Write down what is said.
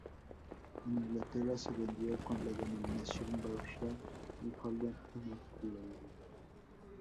En Inglaterra se vendió con la denominación Vauxhall y Holden en Australia.